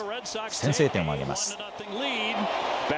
先制点を挙げます。